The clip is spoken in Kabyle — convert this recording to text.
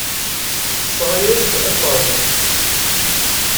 Tesɣa-as-d akerbas.